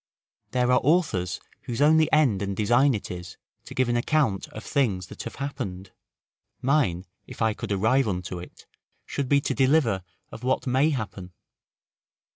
There are authors whose only end and design it is to give an account of things that have happened; mine, if I could arrive unto it, should be to deliver of what may happen.